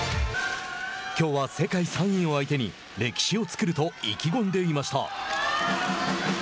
きょうは世界３位を相手に歴史を作ると意気込んでいました。